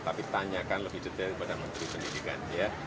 tapi tanyakan lebih detail kepada menteri pendidikan